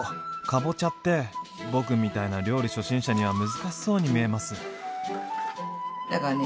かぼちゃって僕みたいな料理初心者には難しそうに見えます。